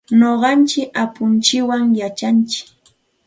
Nuqanchik apuntsikwan yachantsik.